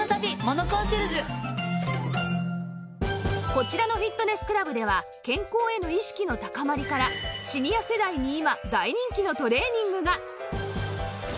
こちらのフィットネスクラブでは健康への意識の高まりからシニア世代に今大人気のトレーニングが